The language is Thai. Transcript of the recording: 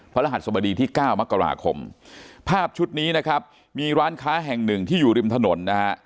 รหัสสบดีที่๙มกราคมภาพชุดนี้นะครับมีร้านค้าแห่งหนึ่งที่อยู่ริมถนนนะฮะ